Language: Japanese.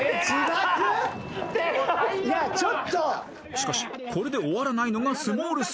［しかしこれで終わらないのがスモール３］